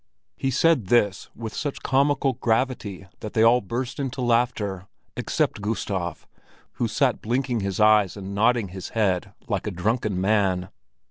He said this with such comical gravity that they all burst into laughter, except Gustav, who sat blinking his eyes and nodding his head like a drunken man.